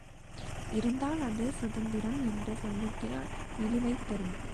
இருந்தால், அது சுதந்திரம் என்ற சொல்லுக்கே இழிவைத் தரும்.